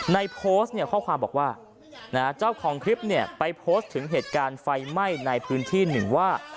ในโพสต์เนี่ยข้อความบอกว่าเจ้าของคลิปเนี่ยไปโพสต์ถึงเหตุการณ์ไฟไหม้ในพื้นที่หนึ่งว่า